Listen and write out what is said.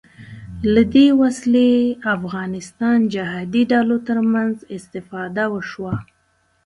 له دې وسلې افغانستان جهادي ډلو تر منځ استفاده وشوه